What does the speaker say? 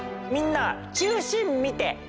みんな中心見て。